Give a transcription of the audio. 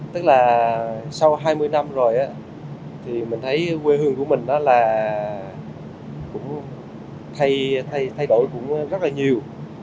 tức là sau hai mươi năm rồi thì mình thấy quê hương của mình đó là cũng thay đổi cũng rất là nhiều